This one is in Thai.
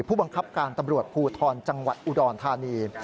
ผู้บังคับการตำรวจภูทรจังหวัดอุดรธานี